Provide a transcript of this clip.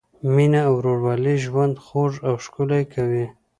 مینه او ورورولي ژوند خوږ او ښکلی کوي.